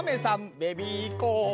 ベビーコーン。